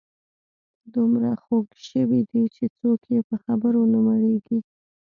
دومره خوږ ژبي دي چې څوک یې په خبرو نه مړیږي.